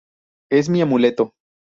Es mi amuleto".